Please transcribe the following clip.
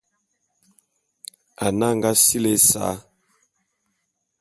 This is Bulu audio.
Anag sili ésa.